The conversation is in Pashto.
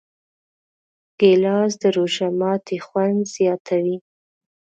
ګیلاس د روژه ماتي خوند زیاتوي.